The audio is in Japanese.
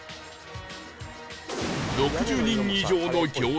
６０人以上の行列